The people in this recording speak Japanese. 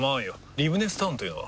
リブネスタウンというのは？